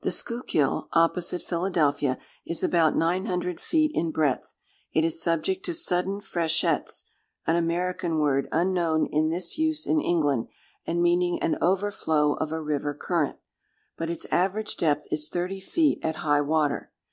The Schuylkill opposite Philadelphia, is about nine hundred feet in breadth. It is subject to sudden freshets, (an American word, unknown in this use in England, and meaning an overflow of a river current,) but its average depth is thirty feet at high water.